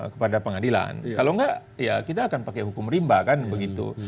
kepada pengadilan kalau enggak ya kita akan pakai hukum rimba kan begitu